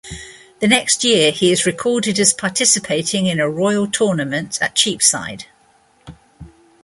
The next year he is recorded as participating in a royal tournament at Cheapside.